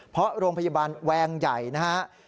เพราะโรงพยาบาลแวงใหญ่นะครับ